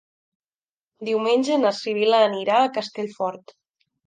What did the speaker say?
Diumenge na Sibil·la anirà a Castellfort.